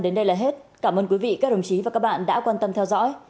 đến đây là hết cảm ơn quý vị các đồng chí và các bạn đã quan tâm theo dõi